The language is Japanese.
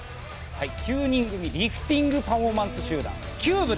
９人組リフティングパフォーマンス集団、球舞−ＣＵＢＥ